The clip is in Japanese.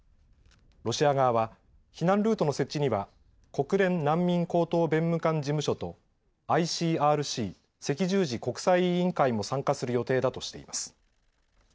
ロシア側は避難ルートの設置には国連難民高等弁務官事務所とＩＣＲＣ・赤十字国際委員会も参加する予定だとしています。